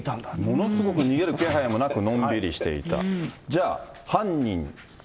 ものすごく逃げる気配もなく、のんびりしていた。